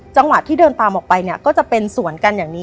จังหวะที่เดินตามออกไปเนี่ยก็จะเป็นสวนกันอย่างนี้